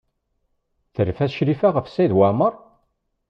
Terfa Crifa ɣef Saɛid Waɛmaṛ?